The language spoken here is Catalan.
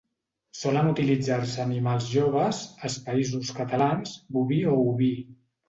Solen utilitzar-se animals joves, als Països Catalans, boví o oví.